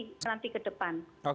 nanti ke depan